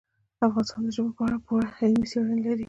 افغانستان د ژبو په اړه پوره علمي څېړنې لري.